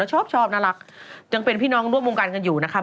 ชอบชอบน่ารักยังเป็นพี่น้องร่วมวงการกันอยู่นะครับ